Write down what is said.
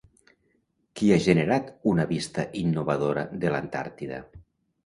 Qui ha generat una vista innovadora de l'Antàrtida?